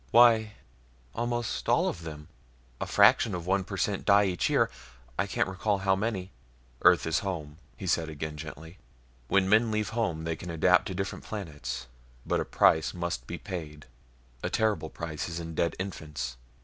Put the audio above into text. "Why ... almost all of them. A fraction of one per cent die each year I can't recall exactly how many." "Earth is home," he said again gently. "When men leave home they can adapt to different planets, but a price must be paid. A terrible price is in dead infants.